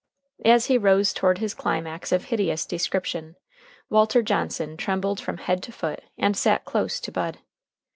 As he rose toward his climax of hideous description, Walter Johnson trembled from head to foot and sat close to Bud.